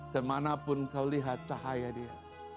kemana pun kau lihat cahaya dia